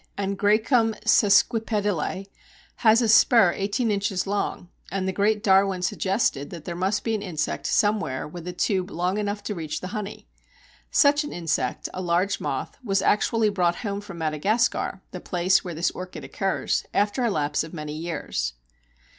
One orchid, Angraecum sesquipedale, has a spur eighteen inches long, and the great Darwin suggested that there must be an insect somewhere with a tube long enough to reach the honey. Such an insect, a large moth, was actually brought home from Madagascar, the place where this orchid occurs, after a lapse of many years!